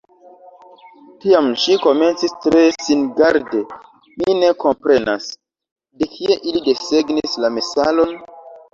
Tiam ŝi komencis tre singarde: "Mi ne komprenas. De kie ili desegnis la melason?"